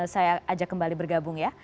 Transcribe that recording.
saya ajak kembali bergabung ya